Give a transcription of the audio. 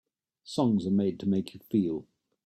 Songs are made to make you feel.